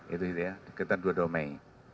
itu ya sekitar dua puluh dua mei